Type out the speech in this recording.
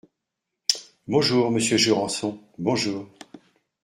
Bonjour, monsieur Jurançon, bonjour.